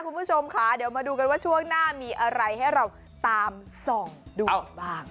คุณผู้ชมค่ะเดี๋ยวมาดูกันว่าช่วงหน้ามีอะไรให้เราตามส่องดูกันบ้าง